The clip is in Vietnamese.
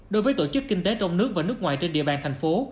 đối với tổ chức kinh tế trong nước và nước ngoài trên địa bàn thành phố